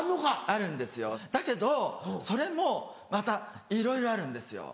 あるんですよだけどそれもまたいろいろあるんですよ。